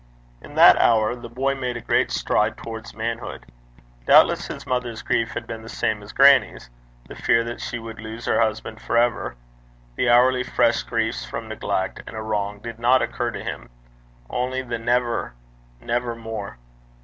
In that hour, the boy made a great stride towards manhood. Doubtless his mother's grief had been the same as grannie's the fear that she would lose her husband for ever. The hourly fresh griefs from neglect and wrong did not occur to him; only the never never more.